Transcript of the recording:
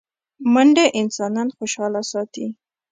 منډه انسان خوشحاله ساتي